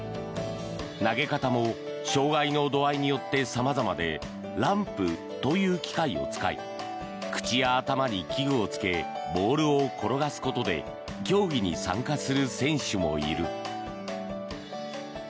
投げ方も障害の度合いによって様々でランプという機械を使い口や頭に器具をつけボールを転がすことで競技に参加する選手もいる。